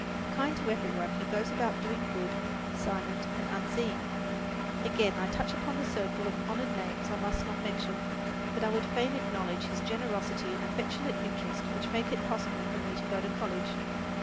Kind to every one, he goes about doing good, silent and unseen. Again I touch upon the circle of honoured names I must not mention; but I would fain acknowledge his generosity and affectionate interest which make it possible for me to go to college.